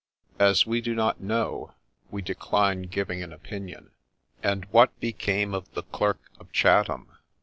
As we do not know, we decline giving an opinion. And what became of the Clerk of Chatham